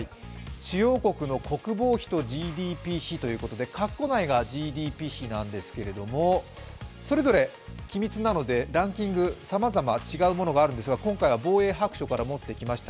主要国の国防費とＧＤＰ比ということでかっこ内がＧＤＰ費なんですけどそれぞれ機密なので、ランキングさまざま違うものがあるんですが、今回は防衛白書から持ってきました。